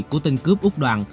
của tên cướp úc đoàn